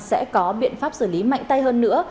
sẽ có biện pháp xử lý mạnh tay hơn nữa